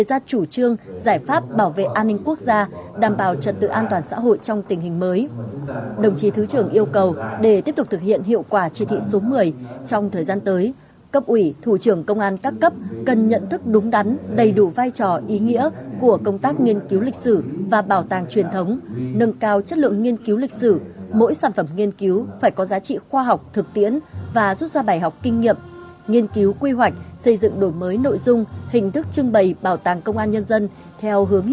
an ninh quốc gia đảm bảo trật tự an toàn xã hội trong tình hình mới đồng chí thứ trưởng yêu cầu để tiếp tục thực hiện hiệu quả tri thị số một mươi trong thời gian tới cấp ủy thủ trưởng công an các cấp cần nhận thức đúng đắn đầy đủ vai trò ý nghĩa của công tác nghiên cứu lịch sử và bảo tàng truyền thống nâng cao chất lượng nghiên cứu lịch sử mỗi sản phẩm nghiên cứu phải có giá trị khoa học thực tiễn và rút ra bài học kinh nghiệm nghiên cứu quy hoạch xây dựng đổi mới nội dung hình thức trưng bày bảo tàng công an nhân dân theo hướ